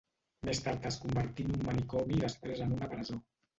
Més tard es convertí en un manicomi i després en una presó.